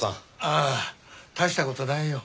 ああ大した事ないよ。